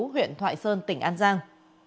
huyện thoại sơn tỉnh an giang